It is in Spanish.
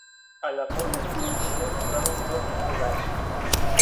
A la postre, sería nombrado Rookie del Año.